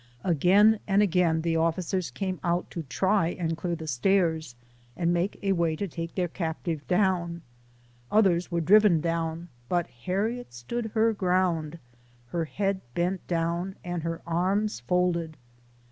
Agpln and again the officers came out to try and clear the stairs, and make a way to take their captive down; others were driven down, but Harriet stood her ground, her head bent down, and her arms folded.